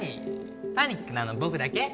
パニックなの僕だけ？